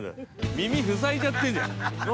耳ふさいじゃってるじゃん。